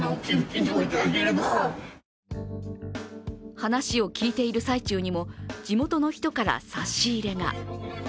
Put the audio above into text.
話を聞いている最中にも、地元の人から差し入れが。